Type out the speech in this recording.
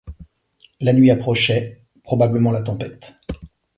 La nuit approchait ; probablement la tempête.